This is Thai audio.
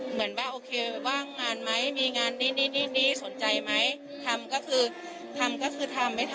พูดในฝั่งมะมอนว่าก็รู้จักทางคนเก่งที่นอนแชร์